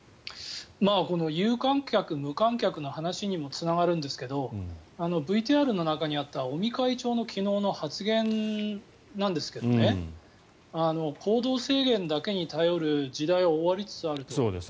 有観客、無観客の話にもつながるんですけどＶＴＲの中にあった尾身会長の昨日の発言なんですが行動制限だけに頼る時代は終わりつつあると。